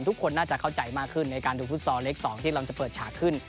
ทุกคนน่าจะเข้าใจมากขึ้นในการดูฟุตซอลเลข๒ที่เราจะเปิดฉากขึ้น